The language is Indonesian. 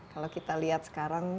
kalau kita lihat sekarang